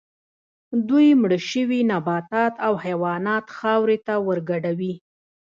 دوی مړه شوي نباتات او حیوانات خاورې ته ورګډوي